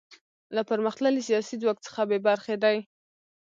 له پرمختللي سیاسي ځواک څخه بې برخې دي.